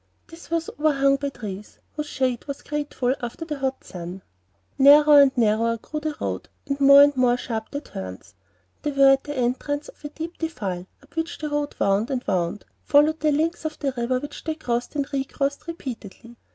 This was overhung by trees, whose shade was grateful after the hot sun. Narrower and narrower grew the road, more and more sharp the turns. They were at the entrance of a deep defile, up which the road wound and wound, following the links of the river, which they crossed and recrossed repeatedly.